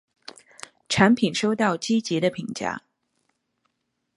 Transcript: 产品收到积极的评价。